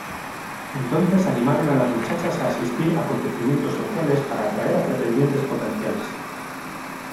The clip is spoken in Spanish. Entonces animaron a las muchachas a asistir acontecimientos sociales para atraer a pretendientes potenciales.